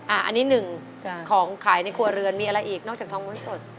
อันนี้หนึ่งของขายในครัวเรือนมีอะไรอีกนอกจากทองวุ้นสด